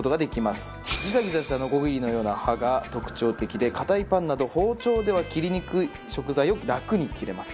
ギザギザしたノコギリのような刃が特徴的で硬いパンなど包丁では切りにくい食材を楽に切れます。